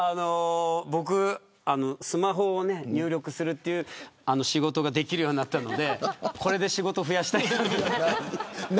僕、スマホ入力する仕事ができるようになったのでこれで仕事増やしたいなと。